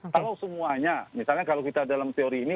kalau semuanya misalnya kalau kita dalam teori ini